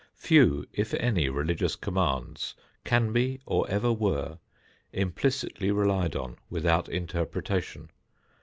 Few if any religious commands can be, or ever were, implicitly relied on without interpretation.